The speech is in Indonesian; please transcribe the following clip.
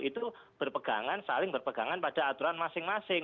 itu berpegangan saling berpegangan pada aturan masing masing